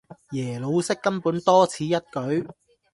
耶魯式根本多此一舉